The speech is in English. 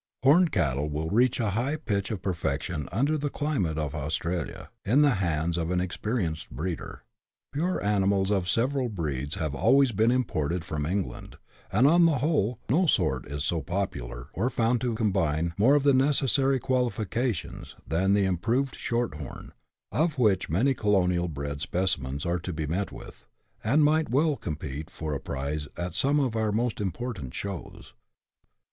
Horned cattle will reach a high pitch of perfection under the climate of Australia, in the hands of an experienced breeder. 72 BUSH LIFE IN AUSTRALIA. [chap. vi. Pure animals of several breeds have always been imported from England, and, on the whole, no sort is so popular, or found to combine more of the necessary qualifications, than the improved short horn, of which many colonial bred specimens are to be met with, that might well compete for a prize at some of our most important shows.